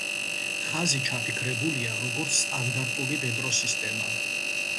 ხაზი ჩაფიქრებულია როგორც სტანდარტული მეტროსისტემა.